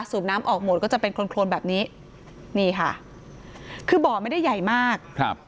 สูบน้ำออกหมดก็จะเป็นโครนแบบนี้นี่ค่ะคือบ่อไม่ได้ใหญ่มากครับ